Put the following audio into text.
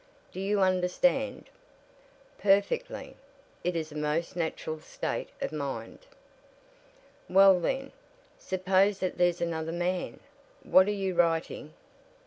Do you understand?" "Perfectly. It is a most natural state of mind." "Well then, suppose that there's another man what are you writing?"